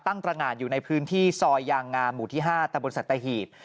ตรงานอยู่ในพื้นที่ซอยยางงามหมู่ที่๕ตะบนสัตหีบ